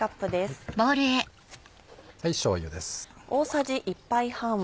しょうゆです。